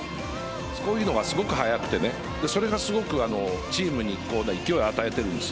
そういうのがすごく早くてそれがすごくチームに勢いを与えてるんです。